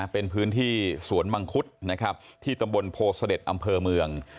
เป็นพื้นที่สวนมังคุดนะครับที่ตำบลโพเสด็จอำเภอเมือง